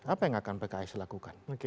apa yang akan pks lakukan